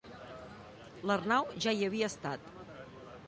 L'Arnau ja hi havia estat.